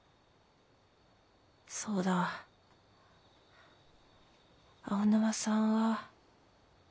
そうだ青沼さんは？